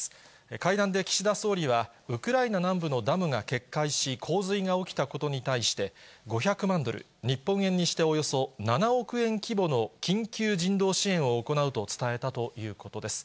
会談で岸田総理は、ウクライナ南部のダムが決壊し洪水が起きたことに対して、５００万ドル、日本円にしておよそ７億円規模の緊急人道支援を行うと伝えたということです。